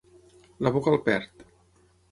La boca el perd.